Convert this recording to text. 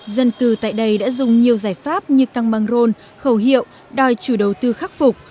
dân cư tại đây đã dùng nhiều giải pháp như căng băng rôn khẩu hiệu đòi chủ đầu tư khắc phục